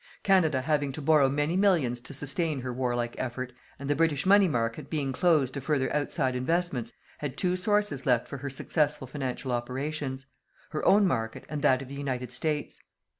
Canada having to borrow many millions to sustain her warlike effort, and the British money market being closed to further outside investments, had two sources left for her successful financial operations: her own market and that of the United States.